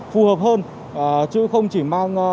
phù hợp hơn chứ không chỉ mang